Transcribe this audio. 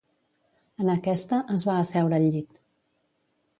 En aquesta, es va asseure al llit.